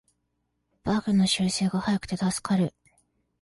バグの修正が早くて助かる